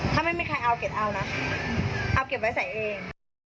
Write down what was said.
ถ้าไม่มีใครเอาเก็บเอานะเอาเก็บไว้ใส่เอง